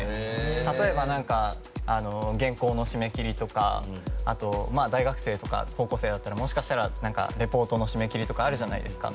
例えば、原稿の締め切りとか大学生とか高校生だったらもしかしたらレポートの締め切りとかあるじゃないですか。